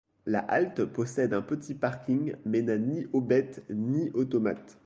La halte possède un petit parking mais n'a ni aubette ni automate.